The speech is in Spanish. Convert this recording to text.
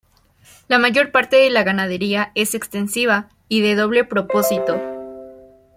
La mayor parte de la ganadería es extensiva y de doble propósito.